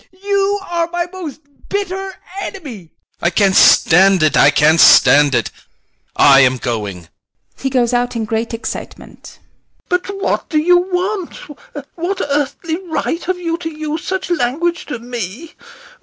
You are my most bitter enemy! TELEGIN. I can't stand it; I can't stand it. I am going. [He goes out in great excitement.] SEREBRAKOFF. But what do you want? What earthly right have you to use such language to me?